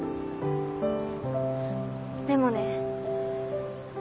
でもね